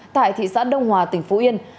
tại thị xã đông hòa tỉnh phú yên